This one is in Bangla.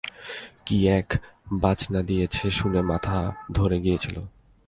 কি এক বাজনা দিয়েছে শুনে মাথা ধরে গিয়েছিল।